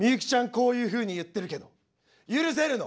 こういうふうに言ってるけど許せるの？